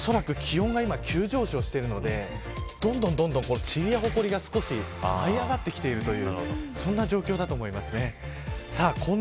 恐らく今、気温が急上昇しているのでどんどん、ちりやほこりが少し舞い上がってきているというそんな状況だと思います。